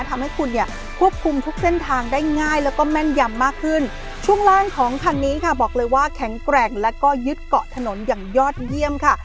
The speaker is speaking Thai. ทำให้คุณเนี่ยควบคุมทุกเส้นทางได้ง่ายแล้วก็แม่นยำมากขึ้นช่วงล่างของคันนี้ค่ะบอกเลยว่าแข็งแกร่งแล้วก็ยึดเกาะถนนอย่างยอดเยี่ยมค่ะ